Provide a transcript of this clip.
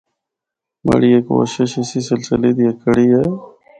مڑی اے کوشش اسی سلسلے دی ہک کڑی ہے۔